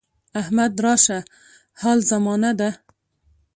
احمد راشه حال زمانه ده.